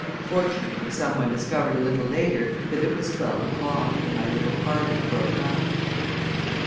Fortunately some one discovered a little later that it was twelve o'clock and my little party broke up.